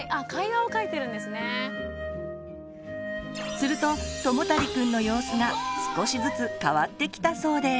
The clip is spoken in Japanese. するとともたりくんの様子が少しずつ変わってきたそうです。